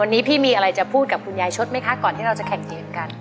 วันนี้พี่มีอะไรจะพูดกับคุณยายชดไหมคะก่อนที่เราจะแข่งเกมกัน